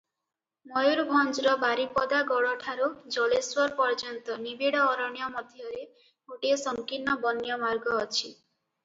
ମୟୂରଭଞ୍ଜର ବାରିପଦା ଗଡଠାରୁ ଜଳେଶ୍ୱର ପର୍ଯ୍ୟନ୍ତ ନିବିଡ଼ ଅରଣ୍ୟ ମଧ୍ୟରେ ଗୋଟିଏ ସଂକୀର୍ଣ୍ଣ ବନ୍ୟ ମାର୍ଗ ଅଛି ।